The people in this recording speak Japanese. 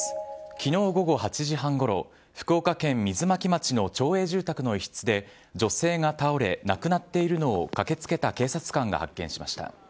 きのう午後８時半ごろ、福岡県水巻町の町営住宅の一室で、女性が倒れ、亡くなっているのを、駆けつけた警察官が発見しました。